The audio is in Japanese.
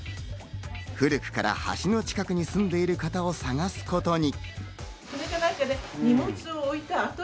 古くから橋の近くに住んでる方を探すことに。